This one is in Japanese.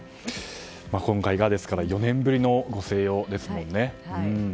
今回が４年ぶりのご静養ですもんね。